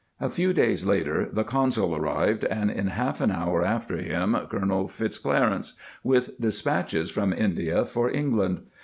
A few days after, the consul arrived, and, in half an hour after him, Colonel Fitzclarence, with despatches from India for England.